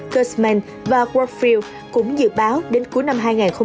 custman và workfield cũng dự báo đến cuối năm hai nghìn hai mươi hai